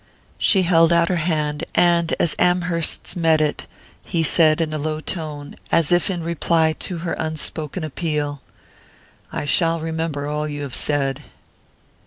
She held out her hand, and as Amherst's met it, he said in a low tone, as if in reply to her unspoken appeal: "I shall remember all you have said."